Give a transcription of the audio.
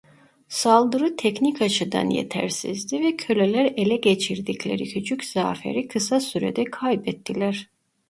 Saldırı teknik açıdan yetersizdi ve köleler ele geçirdikleri küçük zaferi kısa sürede kaybettiler.